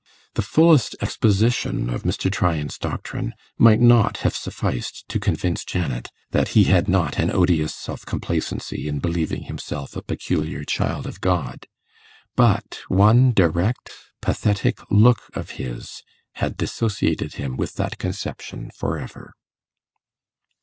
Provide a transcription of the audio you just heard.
The fullest exposition of Mr. Tryan's doctrine might not have sufficed to convince Janet that he had not an odious self complacency in believing himself a peculiar child of God; but one direct, pathetic look of his had dissociated him with that conception for ever.